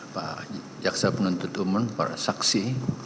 pak jaksa penuntut umum para saksi